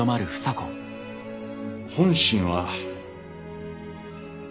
本心は。